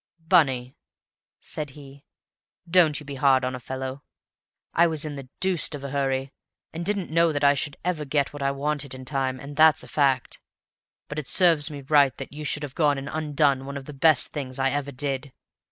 "Bunny," said he, "don't you be hard on a fellow! I was in the deuce of a hurry, and didn't know that I should ever get what I wanted in time, and that's a fact. But it serves me right that you should have gone and undone one of the best things I ever did.